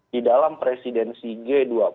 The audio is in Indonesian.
di dalam presidensi g dua puluh